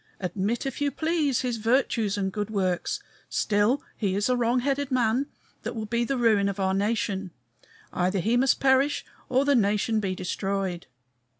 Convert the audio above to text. Admit, if you please, his virtues and good works; still, he is a wrong headed man, that will be the ruin of our nation. Either he must perish or the nation be destroyed.